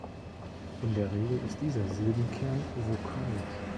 In der Regel ist dieser Silbenkern vokalisch.